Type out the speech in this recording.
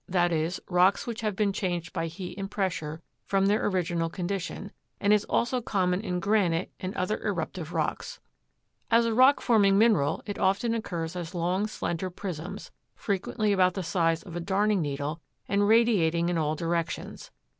e., rocks which have been changed by heat and pressure from their original condition, and is also common in granite and other eruptive rocks. As a rock forming mineral it often occurs as long, slender prisms, frequently about the size of a darning needle and radiating in all directions.